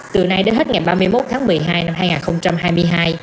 từ nay đến hết ngày ba mươi một tháng một mươi hai năm hai nghìn hai mươi hai